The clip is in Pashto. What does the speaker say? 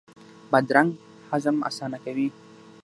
بادرنګ هضم اسانه کوي.